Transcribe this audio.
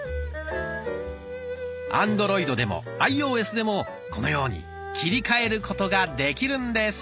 アンドロイドでもアイオーエスでもこのように切り替えることができるんです。